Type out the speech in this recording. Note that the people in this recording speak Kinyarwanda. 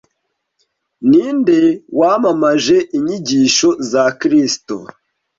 Ninde wamamaje inyigisho za kristo